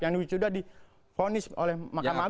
yang sudah di ponis oleh makan magung